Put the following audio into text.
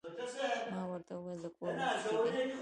ما ورته ووې د کور مخ کښې دې